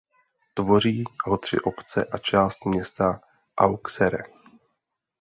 Tvoří ho tři obce a část města Auxerre.